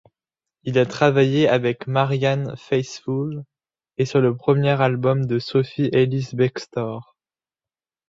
Il a travaillé avec Marianne Faithfull et sur le premier album de Sophie Ellis-Bextor.